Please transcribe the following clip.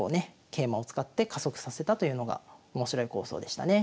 桂馬を使って加速させたというのが面白い構想でしたね。